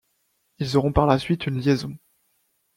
Ils auront par la suite une liaison.